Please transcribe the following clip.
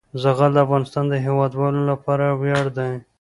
زغال د افغانستان د هیوادوالو لپاره ویاړ دی.